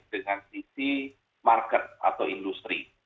dengan sisi market atau industri